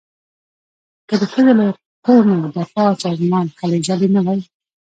که د ښځو له حقونو دفاع سازمان هلې ځلې نه وای.